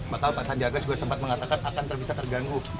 bahkan pak sandiaga juga sempat mengatakan akan terbisa terganggu